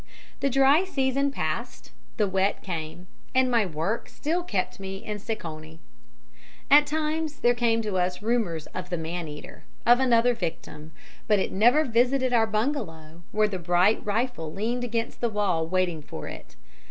"The dry season passed, the wet came, and my work still kept me in Seconee. At times there came to us rumours of the man eater of another victim but it never visited our bungalow, where the bright rifle leaned against the wall waiting for it.